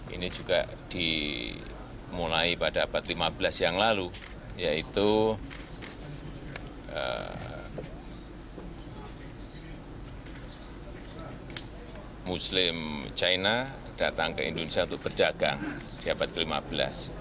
ini juga dimulai pada abad lima belas yang lalu yaitu muslim china datang ke indonesia untuk berdagang di abad ke lima belas